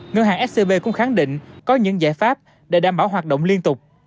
ngân hàng scb cũng khẳng định có những giải pháp để đảm bảo hoạt động liên tục